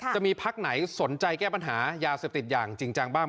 จะมีพักไหนสนใจแก้ปัญหายาเสพติดอย่างจริงจังบ้าง